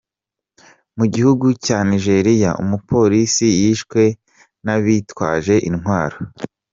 Mugihugu cya nigeriya Umupolisi yishwe n’abitwaje intwaro